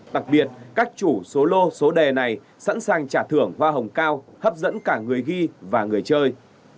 đặc biệt các chủ số lô số đề này sẵn sàng trả thưởng hoa hồng cao hấp dẫn cả người ghi và người chơi